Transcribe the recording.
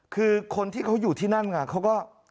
คือคนที่เขาอยู่ที่นั่นไงเขาก็